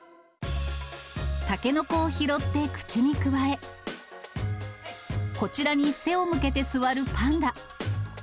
タケノコを拾って口にくわえ、こちらに背を向けて座るパンダ。